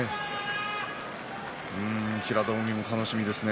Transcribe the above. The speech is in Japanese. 平戸海も楽しみですね。